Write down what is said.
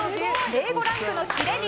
Ａ５ランクのヒレ肉